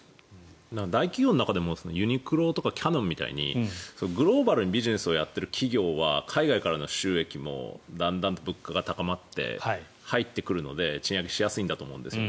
大企業の中でもユニクロとかキヤノンみたいにグローバルにビジネスをやっている企業は海外からの収益もだんだん物価が高まって入ってくるので賃上げしやすいんだと思うんですよね。